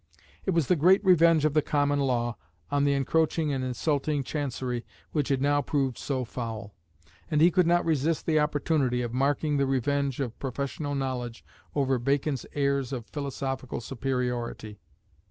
It was the great revenge of the Common Law on the encroaching and insulting Chancery which had now proved so foul. And he could not resist the opportunity of marking the revenge of professional knowledge over Bacon's airs of philosophical superiority.